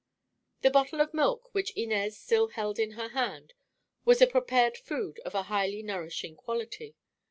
The bottle of milk, which Inez still held in her hand, was a prepared food of a highly nourishing quality.